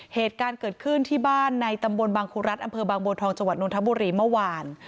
เหตุการณ์เกิดขึ้นที่บ้านในตำบลบางคุรัฐอำเภอบางบัวทองจังหวัดนทบุรีเมื่อวาน